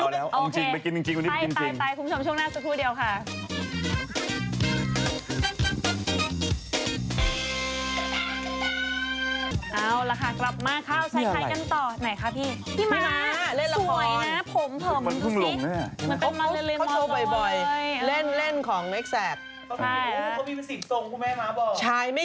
ถ้าเป็นสมาชิกแรกซื้อได้๖๐ผัว่อนหลังแรกศึกษา